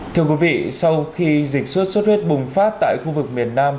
thưa quý vị sau khi dịch suốt suốt huyết bùng phát tại khu vực miền nam